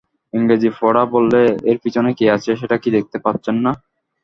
ইংরেজি-পড়া বললে, এর পিছনে কে আছে সেটা কি দেখতে পাচ্ছেন না?